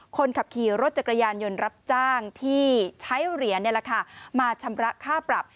คนขับขี่รถจักรยานยนต์รับจ้างที่ใช้เหรียญมาชำระค่าปรับ